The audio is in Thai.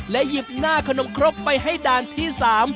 หยิบหน้าขนมครกไปให้ด่านที่๓